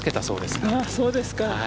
そうですか。